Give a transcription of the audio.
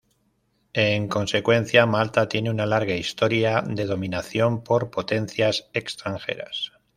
En consecuencia, Malta tiene una larga historia de dominación por potencias extranjeras.